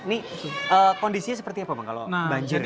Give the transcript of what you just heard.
ini kondisinya seperti apa bang kalau banjir ini